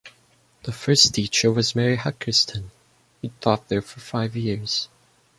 The first teacher was Mary Huckerston, who taught there for five years.